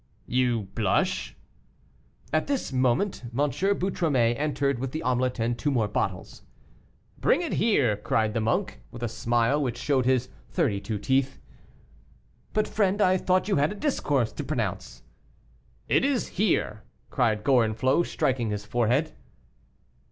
"You blush!" At this moment M. Boutromet entered with the omelet and two more bottles. "Bring it here," cried the monk, with a smile, which showed his thirty two teeth. "But, friend, I thought you had a discourse to pronounce." "It is here," cried Gorenflot, striking his forehead.